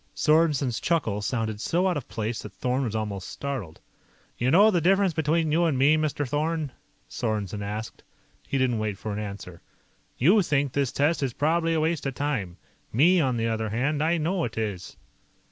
Sorensen's chuckle sounded so out of place that Thorn was almost startled. "You know the difference between you and me, Mr. Thorn?" Sorensen asked. He didn't wait for an answer. "You think this test is probably a waste of time. Me, on the other hand, I know it is."